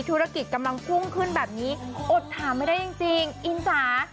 ธุรกิจกำลังพุ่งขึ้นแบบนี้อดถามไม่ได้จริงอินจ๋า